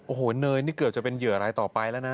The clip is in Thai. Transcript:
โอ้โหเนยนี่เกือบจะเป็นเหยื่ออะไรต่อไปแล้วนะ